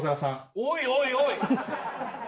おいおいおい。